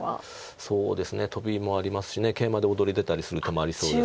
そうですねトビもありますしケイマで躍り出たりする手もありそうですから。